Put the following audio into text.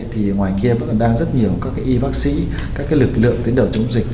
thì ngoài kia vẫn đang rất nhiều các y bác sĩ các lực lượng tiến đầu chống dịch